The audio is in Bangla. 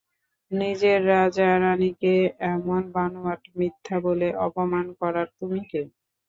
নিজের রাজা-রাণীকে এমন বানোয়াট মিথ্যা বলে অপমান করার তুমি কে?